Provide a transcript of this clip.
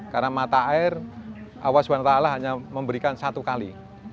karena mata air awas wanita allah hanya memberikan satu kali